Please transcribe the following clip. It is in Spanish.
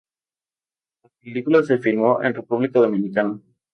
La película se filmó en República Dominicana.